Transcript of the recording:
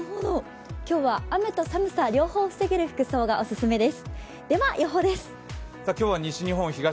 今日は雨と寒さ、両方防げる服装がオススメです。